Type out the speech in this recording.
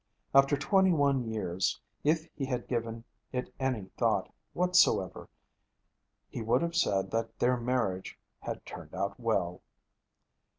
After twenty one years, if he had given it any thought whatsoever, he would have said that their marriage 'had turned out well.'